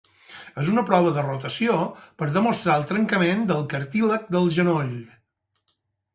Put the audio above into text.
És una prova de rotació per demostrar el trencament del cartílag del genoll.